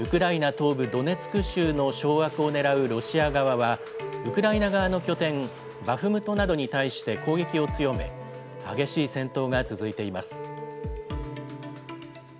東部ドネツク州の掌握をねらうロシア側は、ウクライナ側の拠点、バフムトなどに対して攻撃を強め、激しい戦闘が続いています。